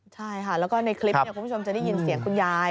ใช่ค่ะแล้วก็ในคลิปคุณผู้ชมจะได้ยินเสียงคุณยาย